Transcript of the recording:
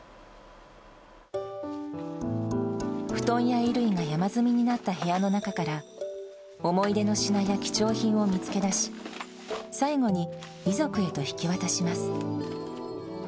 布団や衣類が山積みになった部屋の中から、思い出の品や貴重品を見つけ出し、最後に遺族へと引き渡します。